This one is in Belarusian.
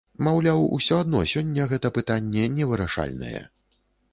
Маўляў, усё адно сёння гэта пытанне невырашальнае.